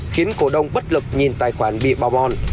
khiến cổ đông bất lực nhìn tài khoản bị bong on